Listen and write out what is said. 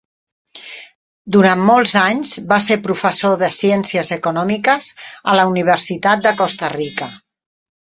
Durant molts anys va ser professor de Ciències Econòmiques en la Universitat de Costa Rica.